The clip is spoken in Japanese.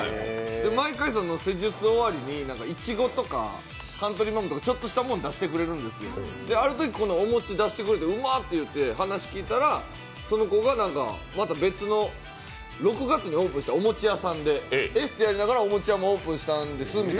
毎回施術終わりにいちごとかカントリーマアムとかちょっとしたもの出してくれるんですけどあるとき、このお餅を出してくれてうまって言って話を聞いたらその子がまた別の、６月にオープンしたお餅屋さんで、エステやりながらお餅屋さんもオープンしたんですって。